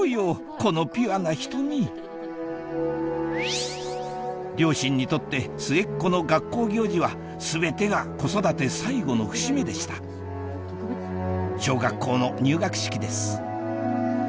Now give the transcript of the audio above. このピュアな瞳両親にとって末っ子の学校行事は全てが子育て最後の節目でした小学校の入学式です